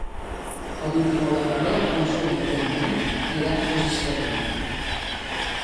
El vint-i-nou de febrer en Juli i na Nit iran a Gisclareny.